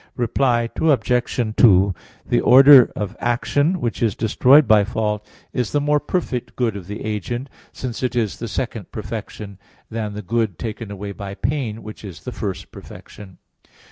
Reply Obj. 2: The order of action which is destroyed by fault is the more perfect good of the agent, since it is the second perfection, than the good taken away by pain, which is the first perfection.